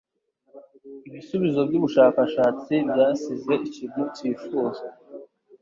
Ibisubizo byubushakashatsi byasize ikintu cyifuzwa.